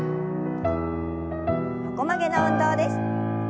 横曲げの運動です。